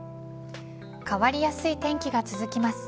変わりやすい天気が続きます。